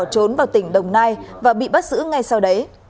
mỹ đã bỏ trốn vào tỉnh đồng nai và bị bắt giữ ngay sau đấy